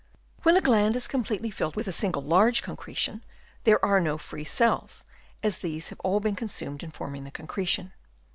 When a gland is completely filled with a single large concretion, there are no free cells, as these have been all consumed in forming the concretion.